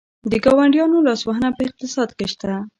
د ګاونډیانو لاسوهنه په اقتصاد کې شته؟